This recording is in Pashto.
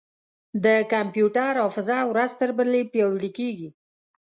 د کمپیوټر حافظه ورځ تر بلې پیاوړې کېږي.